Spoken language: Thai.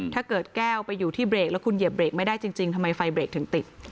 ถ้าเกิดแก้วไปอยู่ที่เบรกแล้วคุณเหยียบเรกไม่ได้จริงทำไมไฟเบรกถึงติด